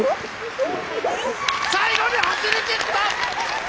最後に走りきった！